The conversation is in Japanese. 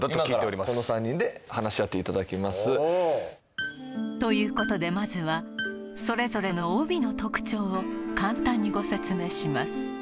今からこの３人で話し合っていただきますということでまずはそれぞれの帯の特徴を簡単にご説明します